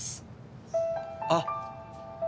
あっ。